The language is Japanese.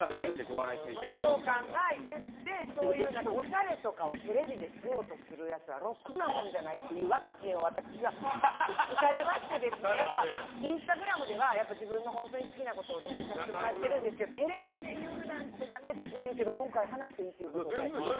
鬼教官が言ってそういうおしゃれとかをテレビでしようとするやつはろくなもんじゃないっていうワクチンを私は打たれましてインスタグラムでは自分の本当に好きなことを載せさせてもらってるんですがテレビで言うなんてダメって言うけど今回、話していいってことで。